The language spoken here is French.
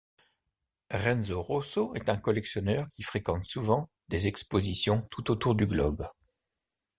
Renzo Rosso est un collectionneur qui fréquente souvent des expositions tout autour du globe.